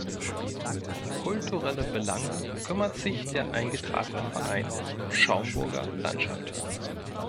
Um kulturelle Belange kümmert sich der eingetragene Verein Schaumburger Landschaft.